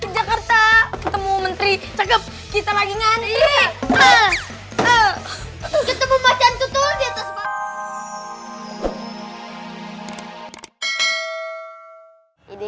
jakarta ketemu menteri cakep kita lagi ngaji